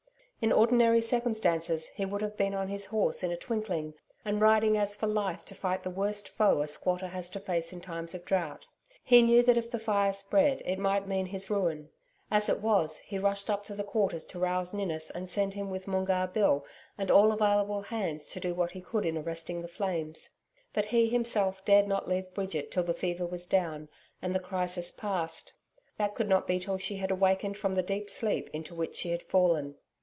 In ordinary circumstances, he would have been on his horse in a twinkling and riding as for life to fight the worst foe a squatter has to face in times of drought. He knew that if the fire spread, it might mean his ruin. As it was, he rushed up to the Quarters to rouse Ninnis and send him with Moongarr Bill and all available hands to do what he could in arresting the flames. But he himself dared not leave Bridget till the fever was down, and the crisis past. That could not be till she had awakened from the deep sleep into which she had fallen.